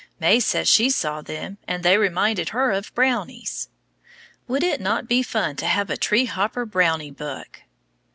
May says she saw them, and they reminded her of Brownies. Would it not be fun to have a tree hopper Brownie book!